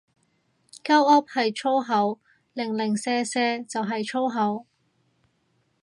鳩噏係粗口，零零舍舍就係粗口